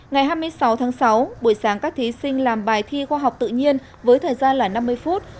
ngày hai mươi sáu tháng sáu buổi sáng các thí sinh làm bài thi khoa học tự nhiên với thời gian là năm mươi phút